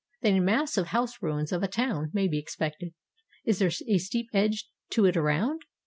Then a mass of house ruins of a town may be expected. Is there a steep edge to it around?